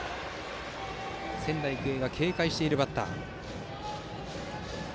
仙台育英が警戒しているバッター。